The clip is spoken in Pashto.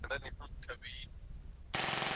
هغه د ماشومانو نړۍ خپله کړه.